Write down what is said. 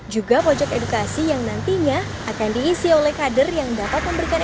juga pojok edukasi yang nantinya akan diisi oleh kader yang dapat memberikan